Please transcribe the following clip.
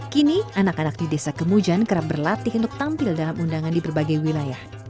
kini anak anak di desa kemujan kerap berlatih untuk tampil dalam undangan di berbagai wilayah